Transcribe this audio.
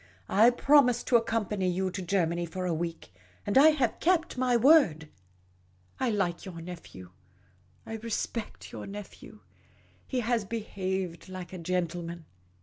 I promised to accompany you to Germany for a week ; and I have kept my word. I like 3'our nephew ; I respect your nephew ; he has behaved like a gentleman.